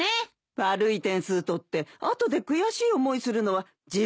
悪い点数取ってあとで悔しい思いするのは自分なんですよ。